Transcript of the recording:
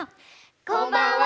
こんばんは。